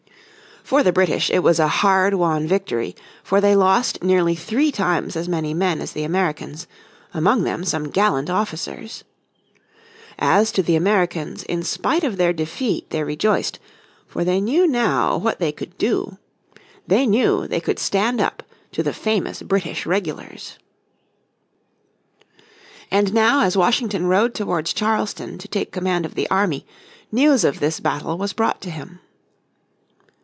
For the British, it was a hard won victory, for they lost nearly three times as many men as the Americans, among them some gallant officers. As to the Americans in spite of their defeat they rejoiced; for they knew now what they could do. They knew they could stand up to the famous British regulars. And now as Washington rode towards Charleston to take command of the army, news of this battle was brought to him.